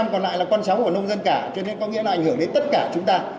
năm còn lại là con cháu của nông dân cả cho nên có nghĩa là ảnh hưởng đến tất cả chúng ta